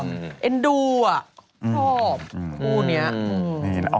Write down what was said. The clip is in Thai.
แต่นดูอ่ะ